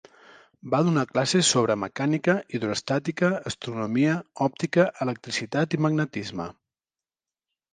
Va donar classes sobre mecànica, hidroestàtica, astronomia, òptica, electricitat i magnetisme.